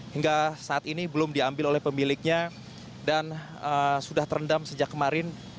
hingga saat ini belum diambil oleh pemiliknya dan sudah terendam sejak kemarin